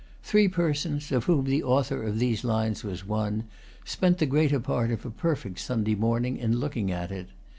Three persons, of whom the author of these lines was one, spent the greater part of a perfect Sunday morning in looking at it.